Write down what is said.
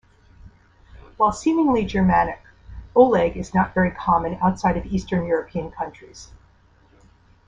While seemingly Germanic, "Oleg" is not very common outside of Eastern European countries.